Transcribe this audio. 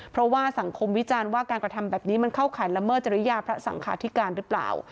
เพราะว่าสังคมวิจารณ์ว่าการกระทำแบบนี้มันเข้าข่ายละเมิดจริยาพระสังขาธิการหรือเปล่า